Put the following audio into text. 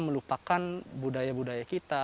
melupakan budaya budaya kita